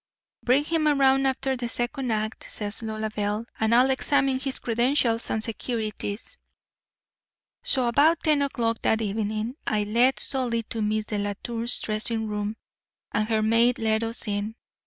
"'Bring him around after the second act,' says Lolabelle, 'and I'll examine his credentials and securities.' "So about ten o'clock that evening I led Solly to Miss Delatour's dressing room, and her maid let us in.